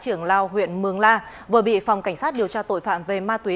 trưởng lao huyện mường la vừa bị phòng cảnh sát điều tra tội phạm về ma túy